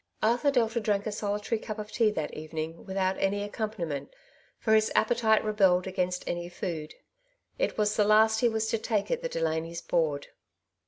Arthur Delta drank a solitary cup of tea that evening without any accompaniment, for his appetite rebelled against food. It was the last he was to take at the Delanys' board.